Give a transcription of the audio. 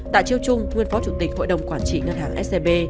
tạ chiêu trung nguyên phó chủ tịch hội đồng quản trị ngân hàng scb